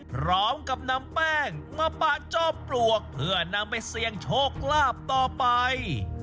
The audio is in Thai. พร้อมกับนำแป้งมาปะจอมปลวกเพื่อนำไปเสี่ยงโชคลาภต่อไป